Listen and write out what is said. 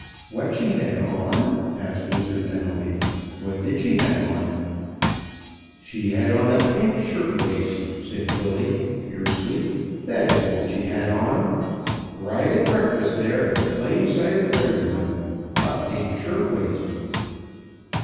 "What she had on?" asked Mr. Fenelby. "What did she have on?" "She had on a pink shirt waist," said Billy fiercely. "That is what she had on. Right at breakfast there, in plain sight of everyone. A pink shirt waist!"